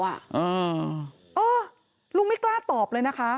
เออลุงไม่กล้าตอบเลยนะคะ